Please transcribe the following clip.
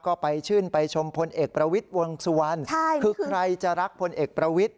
ก็ไปชื่นไปชมพลเอกประวิทย์วงสุวรรณคือใครจะรักพลเอกประวิทธิ